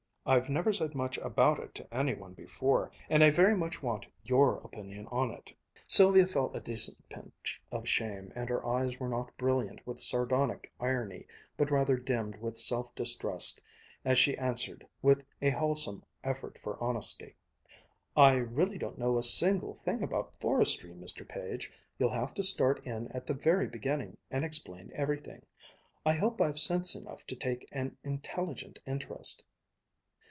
I've never said much about it to any one before, and I very much want your opinion on it." Sylvia felt a decent pinch of shame, and her eyes were not brilliant with sardonic irony but rather dimmed with self distrust as she answered with a wholesome effort for honesty: "I really don't know a single thing about forestry, Mr. Page. You'll have to start in at the very beginning, and explain everything. I hope I've sense enough to take an intelligent interest."